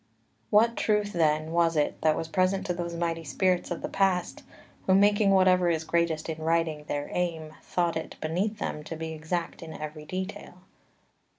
2 What truth, then, was it that was present to those mighty spirits of the past, who, making whatever is greatest in writing their aim, thought it beneath them to be exact in every detail?